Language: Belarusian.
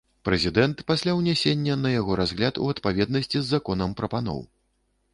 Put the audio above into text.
Прэзідэнт пасля ўнясення на яго разгляд у адпаведнасці з законам прапаноў.